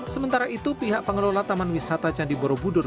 sementara itu pihak pengelola taman wisata candi borobudur